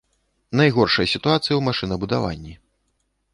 Найгоршая сітуацыя ў машынабудаванні.